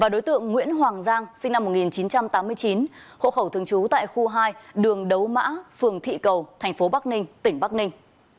đối tượng nguyễn hoàng giang sinh năm một nghìn chín trăm tám mươi chín hộ khẩu thường trú tại khu hai đường đấu mã phường thị cầu thành phố bắc ninh tỉnh bắc ninh